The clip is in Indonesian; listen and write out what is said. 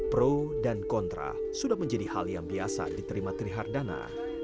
pro dan kontra sudah menjadi hal yang biasa diterima trihardana